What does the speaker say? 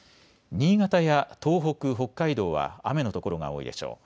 新潟や東北、北海道は雨の所が多いでしょう。